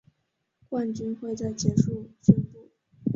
冠军会在结局宣布。